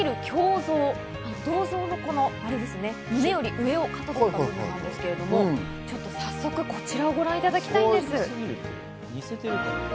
銅像の胸より上をかたどったものですけど、早速こちらをご覧いただきたいんです。